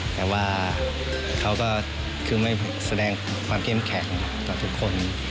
แต่ว่าเขาก็คือไม่แสดงความเข้มแข็งกับทุกคน